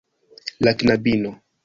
La knabino.